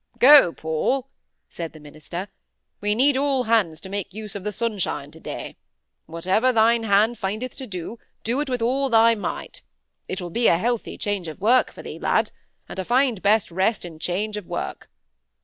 "Go, Paul!" said the minister. "We need all hands to make use of the sunshine to day. 'Whatsoever thine hand findeth to do, do it with all thy might.' It will be a healthy change of work for thee, lad; and I find best rest in change of work."